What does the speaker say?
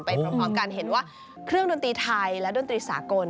พร้อมกันเห็นว่าเครื่องดนตรีไทยและดนตรีสากล